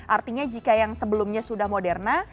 artinya jika yang sebelumnya sudah moderna